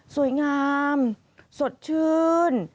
สวยงามสดชื่น